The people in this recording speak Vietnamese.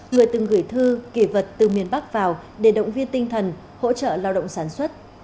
người từng gửi thư kỳ vật từ miền bắc vào để động viên tinh thần hỗ trợ lao động sản xuất